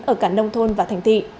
ở cả nông thôn và thành tỷ